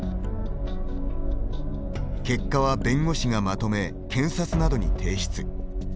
結果は弁護士がまとめ検察などに提出。